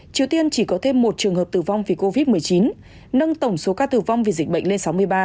triều tiên chỉ có thêm một trường hợp tử vong vì covid một mươi chín nâng tổng số ca tử vong vì dịch bệnh lên sáu mươi ba